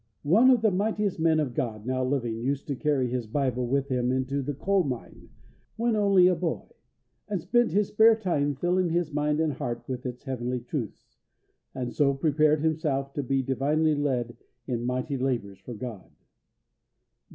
One of the mightiest men of God now living used to carry his Bible with him into the coal mine when only a boy, and spent his spare time filling his mind and heart with its heavenly truths, and so prepared himself to be divinely led in mighty labours for God.